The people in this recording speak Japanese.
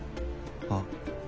あっ。